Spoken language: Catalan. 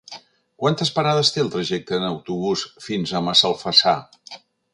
Quantes parades té el trajecte en autobús fins a Massalfassar?